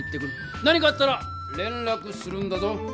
何かあったられんらくするんだぞ。